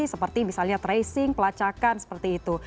seperti misalnya tracing pelacakan seperti itu